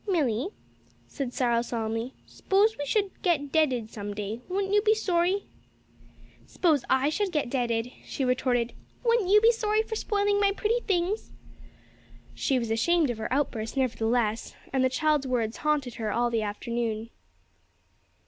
"Milly," said Cyril solemnly, "s'pose we should get deaded some day; wouldn't you be sorry?" "Suppose I should get deaded," she retorted, "wouldn't you be sorry for spoiling my pretty things?" She was ashamed of her outburst nevertheless, and the child's words haunted her all the afternoon.